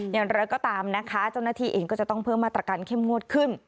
อย่างไรก็ตามนะคะเจ้าหน้าที่เองก็จะต้องเพิ่มมาตรการเข้มงวดขึ้น